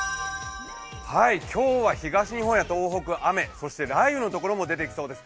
今日は東日本や東北は雨そして雷雨のところも出てきそうです。